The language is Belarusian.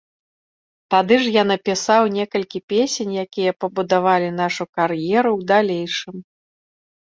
Тады ж я напісаў некалькі песень, якія пабудавалі нашу кар'еру ў далейшым.